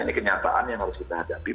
ini kenyataan yang harus kita hadapi